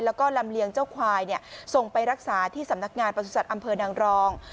แล้วก็ลำเลียงเจ้าควายส่งไปรักษาที่สำนักงานประสุทธิ์อำเภอนางรอง